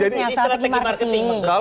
jadi ini strategi marketing